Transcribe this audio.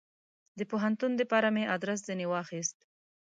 د پوهنتون دپاره مې ادرس ځني واخیست.